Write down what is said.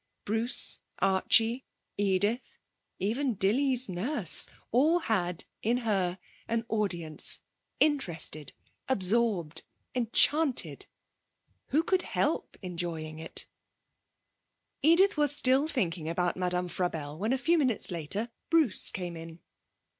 Bruce, Archie, Edith, even Dilly's nurse, all had, in her, an audience: interested, absorbed, enchanted. Who could help enjoying it? Edith was still thinking about Madame Frabelle when a few minutes later, Bruce came in.